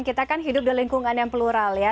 kita kan hidup di lingkungan yang plural ya